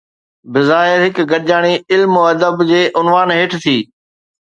بظاهر هڪ گڏجاڻي علم و ادب جي عنوان هيٺ ٿي.